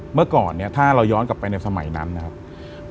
เมื่อก่อนเนี่ยถ้าเราย้อนกลับไปในสมัยนั้นนะครับ